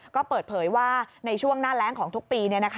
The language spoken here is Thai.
ก็เปิดเผยว่าในช่วงหน้าแรงของทุกปี